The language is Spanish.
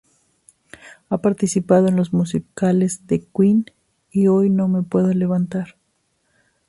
Ha participado en los musicales de "Queen" y "Hoy no me puedo levantar".